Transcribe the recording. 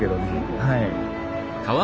はい。